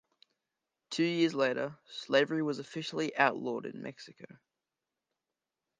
Two years later, slavery was officially outlawed in Mexico.